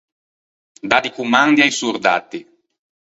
Dâ di commandi a-i sordatti.